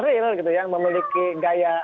real memiliki gaya